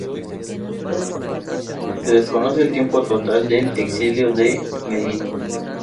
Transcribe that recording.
Se desconoce el tiempo total del exilio de Melito.